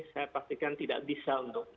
saya pastikan tidak bisa untuk